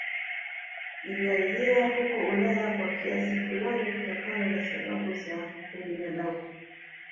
Ilianzia huko Ulaya kwa kiasi fulani kutokana na sababu za ubinadamu